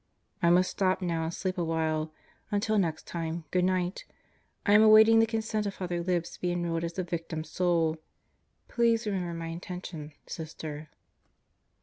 I must stop now and sleep a while. Until next time Good Night. I am awaiting the consent of Father Libs to be enrolled as a Victim Soul. Please remember my intention, Sister.